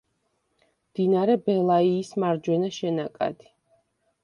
მდინარე ბელაიის მარჯვენა შენაკადი.